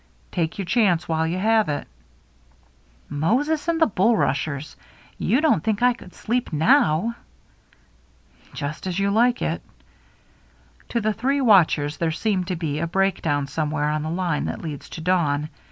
" Take your chance while you have it." " Moses and the bulrushers ! You don't think I could sleep now ?"" Just as you like." To the three watchers there seemed to be a breakdown somewhere on the line that leads to dawn.